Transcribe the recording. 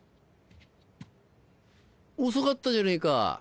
遅かったじゃねえか。